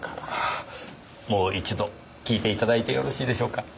もう一度聞いて頂いてよろしいでしょうか？